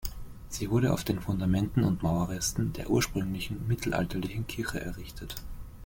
Sie wurde auf den Fundamenten und Mauerresten der ursprünglichen mittelalterlichen Kirche errichtet.